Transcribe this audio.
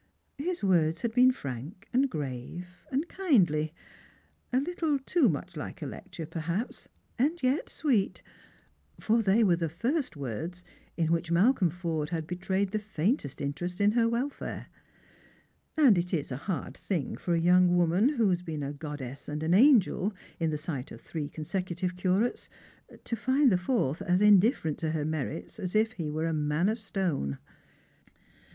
His words had been ■Tank, and grave, and kindly: a little loo much bke a lecture StraHf/era and Pihjrims. 11 perhaps, and yet sweet; for they were the firat words in which Malcolm Porde had betrayed the faintest interest in her welfare. A nd it ia a hard thing for a young woman, who has been a god dess and an angel in the sight of three consecutive curates, to find the fourth as indifferent to her merits as if he were a man of stone.